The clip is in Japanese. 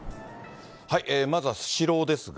まずはスシローですが。